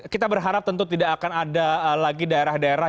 kita berharap tentu tidak akan ada lagi daerah daerah